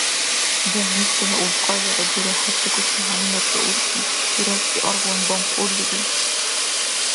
Больницала улкьайларад дура хӀеррикӀуси ХӀялиматла уркӀи дурабси аргъван бамкьурлири.